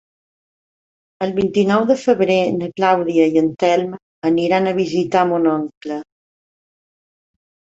El vint-i-nou de febrer na Clàudia i en Telm aniran a visitar mon oncle.